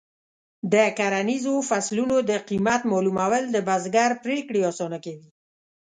د کرنیزو فصلونو د قیمت معلومول د بزګر پریکړې اسانه کوي.